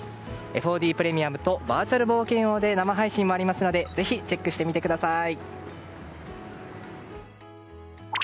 ＦＯＤプレミアムとバーチャル冒険王で生配信もありますのでぜひチェックしてみてください！